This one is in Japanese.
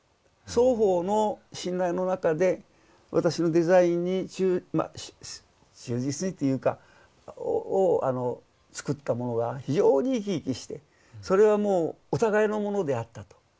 双方の信頼の中で私のデザインにまあ忠実にというかを作ったものは非常に生き生きしてそれはもうお互いのものであったと。